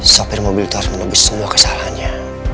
sopir mobil itu harus menebus semua kesalahannya